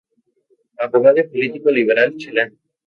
Abogado y político liberal chileno.